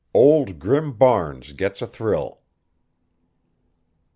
OLD GRIM BARNES GETS A THRILL.